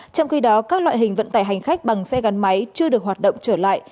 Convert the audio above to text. trong khi đó các loại hình vận tải hành khách bằng xe gắn máy chưa được hoạt động trở lại